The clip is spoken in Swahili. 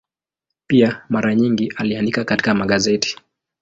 Pia mara nyingi aliandika katika magazeti.